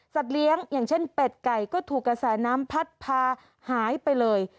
เลี้ยงอย่างเช่นเป็ดไก่ก็ถูกกระแสน้ำพัดพาหายไปเลย